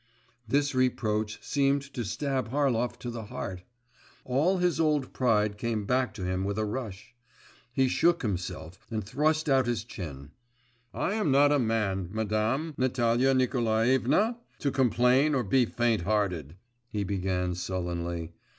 …' This reproach seemed to stab Harlov to the heart. All his old pride came back to him with a rush. He shook himself, and thrust out his chin. 'I am not a man, madam, Natalia Nikolaevna, to complain or be faint hearted,' he began sullenly.